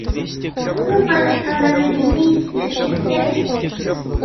Мы узнали о разорении сибирских крепостей.